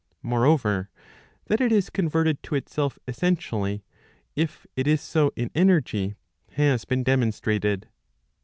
Moreover, that it is converted to itself essentially, if it is so in energy, has been demonstrated.